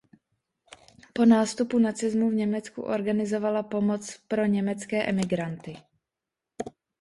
Po nástupu nacismu v Německu organizovala pomoc pro německé emigranty.